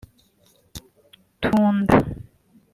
Tunda